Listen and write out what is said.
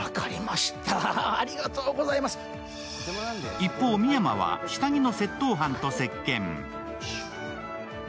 一方、深山は下着の窃盗犯と接見